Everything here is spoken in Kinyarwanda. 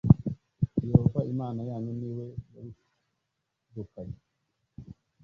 Yehova Imana yanyu ni we wabirukanye